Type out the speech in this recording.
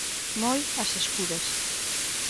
Moi ás escuras.